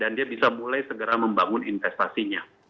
dia bisa mulai segera membangun investasinya